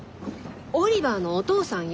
オリバーのお父さんよ。